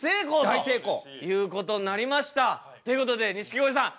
大成功！ということで錦鯉さん